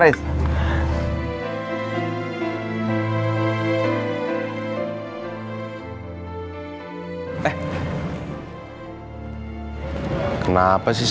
ini pak aris